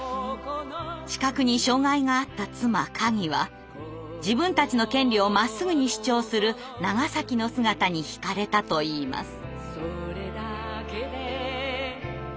視覚に障害があった妻かぎは自分たちの権利をまっすぐに主張する長の姿に惹かれたといいます。